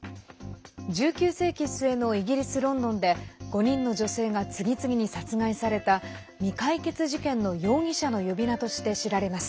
１９世紀末のイギリス・ロンドンで５人の女性が次々に殺害された未解決事件の容疑者の呼び名として知られます。